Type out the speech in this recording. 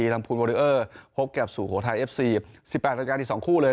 ลำพูนโวริเตอร์พบกับสู่โหทัยเอฟซี๑๘นที่๒คู่เลย